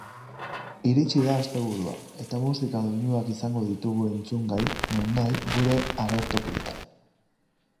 Iritsi da asteburua, eta musika doinuak izango ditugu entzungai nonahi gure agertokietan!